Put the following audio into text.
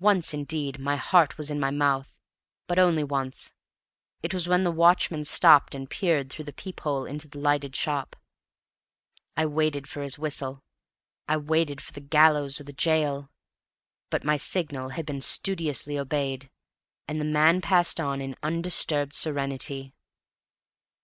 Once, indeed, my heart was in my mouth, but only once. It was when the watchman stopped and peered through the peep hole into the lighted shop. I waited for his whistle I waited for the gallows or the gaol! But my signals had been studiously obeyed, and the man passed on in undisturbed serenity.